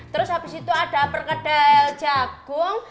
terus habis itu ada perkedel jagung